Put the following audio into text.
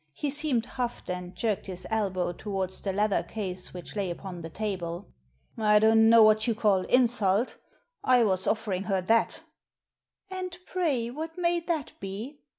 He seemed huffed, and jerked his elbow towards the leather case which lay upon the table. " I don't know what you call insult I was offering her that" "And pray what may that be ?